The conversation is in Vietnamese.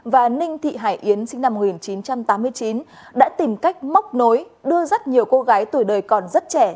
và ninh thị hải yến sinh năm một nghìn chín trăm tám mươi chín đã tìm cách móc nối đưa rất nhiều cô gái tuổi đời còn rất trẻ